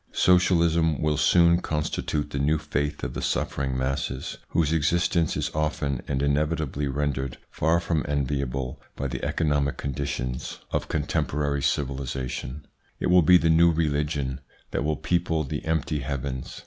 Socialism will soon constitute the new faith of the suffering masses whose existence is often and inevitably rendered far from enviable by the economic conditions of con 16 226 THE PSYCHOLOGY OF PEOPLES: temporary civilisation. It will be the new religion that will people the empty heavens.